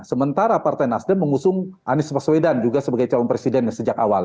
sementara partai nasdem mengusung anies baswedan juga sebagai calon presiden sejak awal